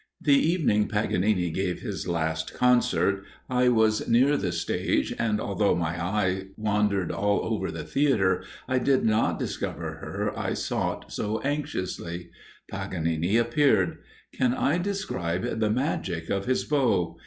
The evening Paganini gave his last concert, I was near the stage, and although my eyes wandered all over the theatre, I did not discover her I sought so anxiously. Paganini appeared. Can I describe the magic of his bow?